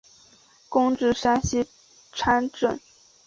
官至山西参政。